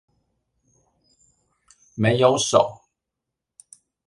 沒有手